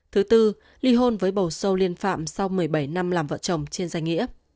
thứ tư ly hôn với bầu show liên phạm sau một mươi bảy năm làm vợ chồng trên danh nghĩa